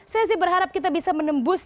saya sih berharap kita bisa menembus